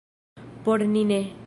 Por ni ne.